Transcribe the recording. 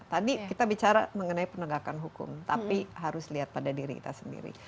tadi kita bicara mengenai penegakan hukum tapi harus lihat pada diri kita sendiri